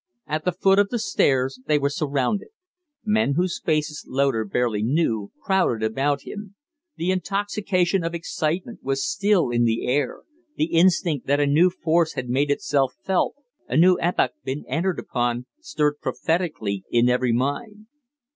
At the foot of the stairs they were surrounded. Men whose faces Loder barely knew crowded about him. The intoxication of excitement was still in the air the instinct that a new force had made itself felt, a new epoch been entered upon, stirred prophetically in every mind.